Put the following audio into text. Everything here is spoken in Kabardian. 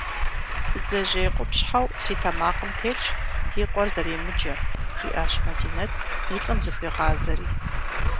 Бдзэжьей къупщхьэу си тэмакъым телъщ ди къуэр зэремыджэр, – жиӀащ Мадинэт, и лӀым зыхуигъазэри.